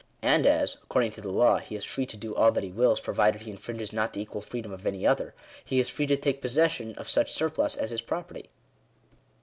And as, according to the law, he is free to do all that he wills, provided he infringes not the equal freedom of any other, he is free to take possession of such surplus as his property.